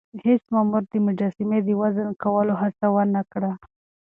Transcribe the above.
هیڅ مامور د مجسمې د وزن کولو هڅه ونه کړه.